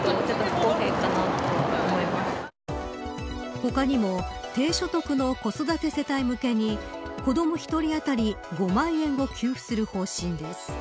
他にも低所得の子育て世帯向けに子ども１人あたり５万円を給付する方針です。